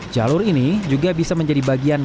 jalur ini juga bisa menjadi bagian